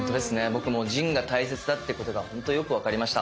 僕も腎が大切だってことがほんとよく分かりました。